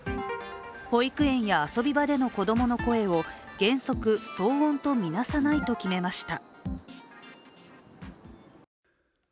保育園や遊び場での子供の声を原則騒音とみなさないと決めました。